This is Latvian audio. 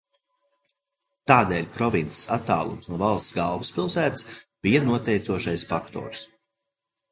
Tādēļ provinces attālums no valsts galvaspilsētas bija noteicošais faktors.